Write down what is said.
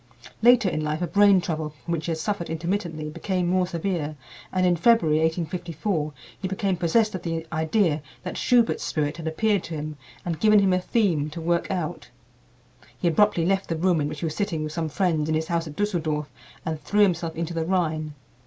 Later in life a brain trouble from which he had suffered intermittently became more severe, and in February, 1854, he became possessed of the idea that Schubert's spirit had appeared to him and given him a theme to work out. He abruptly left the room in which he was sitting with some friends in his house at Düsseldorf and threw himself into the Rhine.